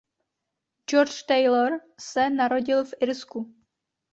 George Taylor se narodil v Irsku.